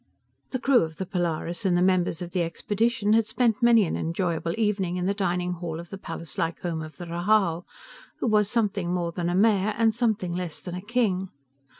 The crew of the Polaris and the members of the expedition had spent many an enjoyable evening in the dining hall of the palace like home of the Rhal, who was something more than a mayor and something less than a king.